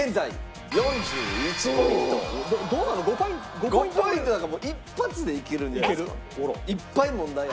５ポイントなんかもう一発でいけるんじゃないですか？